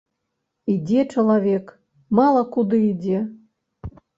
Ідзе чалавек, мала куды ідзе.